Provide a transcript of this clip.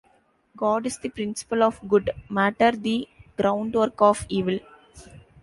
God is the principle of good, Matter the groundwork of Evil.